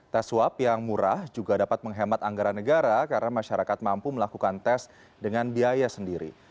tes swab yang murah juga dapat menghemat anggaran negara karena masyarakat mampu melakukan tes dengan biaya sendiri